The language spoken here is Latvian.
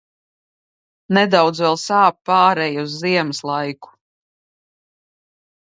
Nedaudz vēl sāp pāreja uz ziemas laiku.